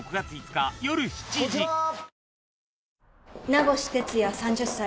名越哲弥３０歳。